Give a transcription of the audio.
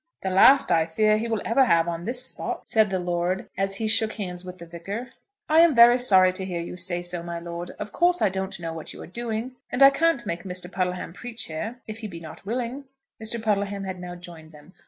"The last, I fear, he will ever have on this spot," said the lord, as he shook hands with the Vicar. "I am very sorry to hear you say so, my lord. Of course, I don't know what you are doing, and I can't make Mr. Puddleham preach here, if he be not willing." Mr. Puddleham had now joined them.